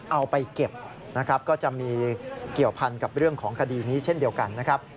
เอาไปเก็บนะครับ